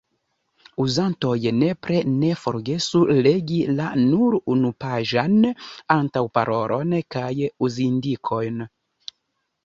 Uzantoj nepre ne forgesu legi la – nur unupaĝan – antaŭparolon kaj uzindikojn.